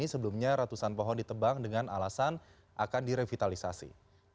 sebelumnya ratusan pohon ditebang dengan alasan akan direvitalisasi